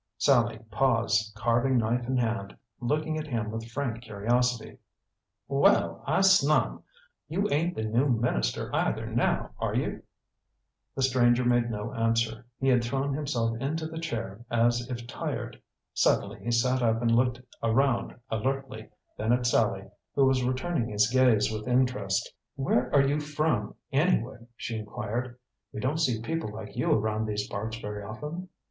Sallie paused, carving knife in hand, looking at him with frank curiosity. "Well, I snum! You ain't the new minister either, now, are you?" The stranger made no answer. He had thrown himself into the chair, as if tired. Suddenly he sat up and looked around alertly, then at Sallie, who was returning his gaze with interest. "Where are you from, anyway?" she inquired. "We don't see people like you around these parts very often."